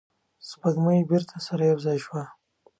سپوږمۍ بیرته سره یو ځای شوه.